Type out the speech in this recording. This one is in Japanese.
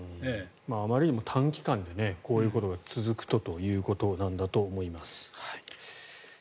あまりにも短期間でこういうことが続くとということなんだと思います。